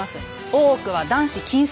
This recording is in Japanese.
大奥は男子禁制。